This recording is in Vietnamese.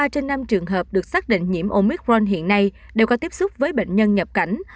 ba trên năm trường hợp được xác định nhiễm omicron hiện nay đều có tiếp xúc với bệnh nhân nhập cảnh